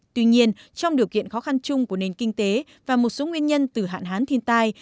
tuy nhiên trong điều kiện khó khăn chung của nền kinh tế và một số nguyên nhân từ hạn hán thiên tai